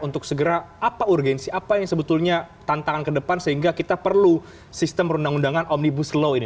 untuk segera apa urgensi apa yang sebetulnya tantangan ke depan sehingga kita perlu sistem perundang undangan omnibus law ini